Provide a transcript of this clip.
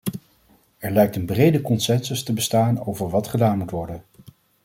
Er lijkt een brede consensus te bestaan over wat gedaan moet worden.